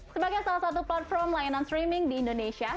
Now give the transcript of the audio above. sebagai salah satu platform layanan streaming di indonesia